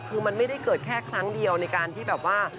คือมันไม่ได้เกิดแค่ครั้งเดียวในการที่แบบว่า